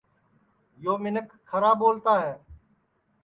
یو منکھ کھرا ٻولتا ہے